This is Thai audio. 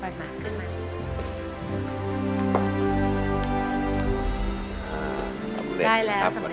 สำเร็จแล้วครับ